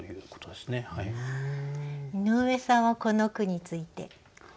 井上さんはこの句について？